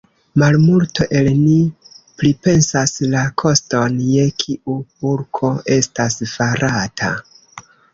Malmulto el ni pripensas la koston je kiu bulko estas farata.